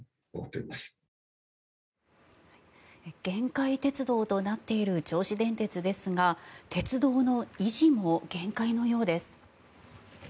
限界鉄道となっている銚子電鉄ですが鉄道の維持も限界のようです。